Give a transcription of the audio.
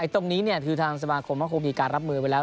ตรงนี้คือทางสมาคมก็คงมีการรับมือไว้แล้ว